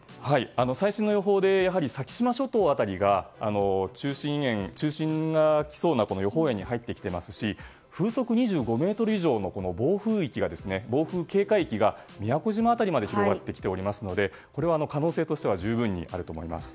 最新の予報で先島諸島辺りが台風の中心が来そうな予報円に入ってきていますし風速２５メートル以上の暴風警戒域が宮古島辺りまで広がってきておりますのでこれは可能性としては十分にあると思います。